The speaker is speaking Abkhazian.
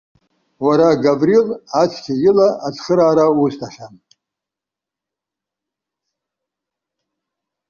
Уара Гаврил, ацқьа ила ацхыраара усҭахьан.